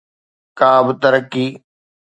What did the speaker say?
ڪابه ترقي.